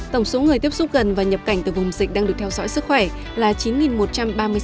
tổng số người tiếp xúc gần và nhập cảnh từ vùng dịch đang được theo dõi sức khỏe là chín một trăm ba mươi sáu người